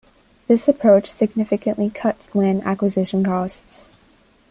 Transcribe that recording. This approach significantly cuts land acquisition costs.